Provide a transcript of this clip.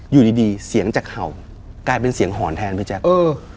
อยู่ดีดีเสียงจะเห่ากลายเป็นเสียงหอนแทนพี่แจ๊คเออ